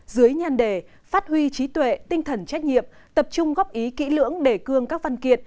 dưới nhan đề phát huy trí tuệ tinh thần trách nhiệm tập trung góp ý kỹ lưỡng đề cương các văn kiện